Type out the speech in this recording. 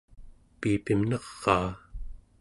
piipim neraa